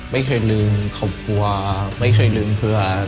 ไม่เคยลืมครอบครัวไม่เคยลืมเพื่อ